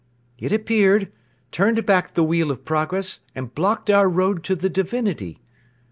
It appeared, turned back the wheel of progress and blocked our road to the Divinity.